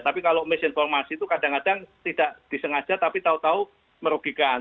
tapi kalau misinformasi itu kadang kadang tidak disengaja tapi tahu tahu merugikan